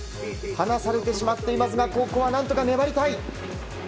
離されてしまっていますがここは何とか粘りたい。